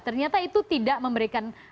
ternyata itu tidak memberikan